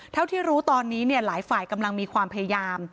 เท่าที่รู้ตอนนี้หลายฝ่ายกำลังมีความพยายาม